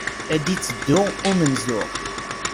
Ad d-iteddu umenzu.